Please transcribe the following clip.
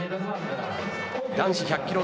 男子１００キロ